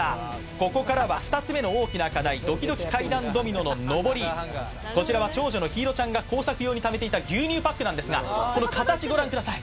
ここからは２つ目の大きな課題ドキドキ階段ドミノの上りこちらは長女の陽彩ちゃんが工作用にためていた牛乳パックですがこの形ご覧ください